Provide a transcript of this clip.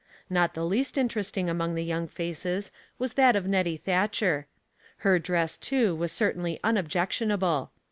Not the least interesting among the young faces was that of Nettie Thatcher. Her dress, too, was certainly unob jectionable.